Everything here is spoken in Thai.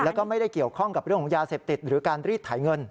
แล้วก็ไม่ได้เกี่ยวข้องกับเรื่องของยาเสพติดหรือการรีดไถเงิน